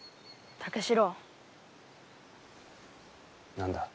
何だ？